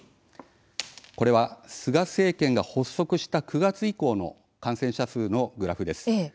これは、菅政権が発足した９月以降の感染者数のグラフです。